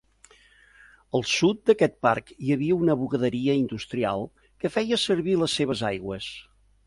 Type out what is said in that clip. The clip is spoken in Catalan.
Al sud d'aquest parc hi havia una bugaderia industrial que feia servir les seves aigües.